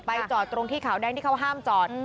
จอดตรงที่ขาวแดงที่เขาห้ามจอด